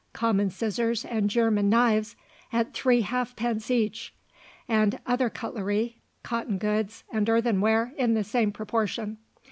common scissors and German knives at three halfpence each, and other cutlery, cotton goods, and earthenware in the same proportion.